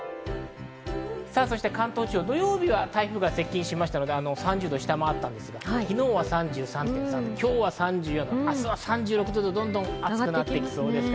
関東地方、土曜日は台風が接近しましたので３０度を下回ったんですが、今日は３４度、明日は３６度とどんどん暑くなっていきそうです。